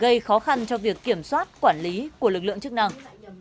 gây khó khăn cho việc kiểm soát quản lý của lực lượng chức năng